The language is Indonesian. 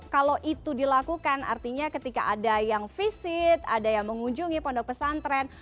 kalau itu dilakukan artinya ketika ada yang visit ada yang mengunjungi pondok pesantren